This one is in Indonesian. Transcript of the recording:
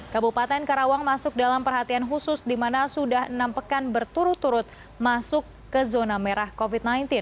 kabupaten karawang masuk dalam perhatian khusus di mana sudah enam pekan berturut turut masuk ke zona merah covid sembilan belas